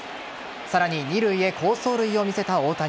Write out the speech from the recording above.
さらに、二塁へ好走塁を見せた大谷。